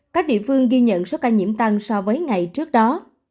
các địa phương ghi nhận số ca nhiễm tăng so với ngày trước đó